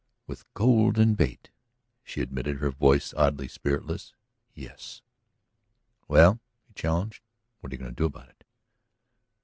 "With golden bait," she admitted, her voice oddly spiritless. "Yes." "Well," he challenged, "what are you going to do about it?"